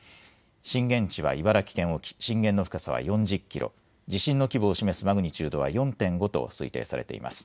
震源地は茨城県沖、震源の深さは４０キロ、地震の規模を示すマグニチュードは４．５と推定されています。